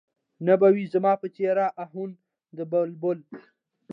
نه به وي زما په څېر اهونه د بلبل